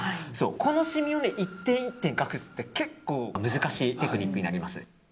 このシミを１点１点隠すって結構難しいテクニックになります。